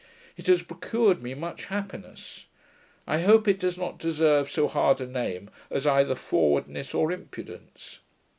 It has procured me much happiness. I hope it does not deserve so hard a name as either forwardness or impudence.